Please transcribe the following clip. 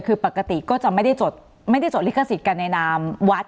คือปกติก็จะไม่ได้จดไม่ได้จดลิขสิทธิ์กันในนามวัด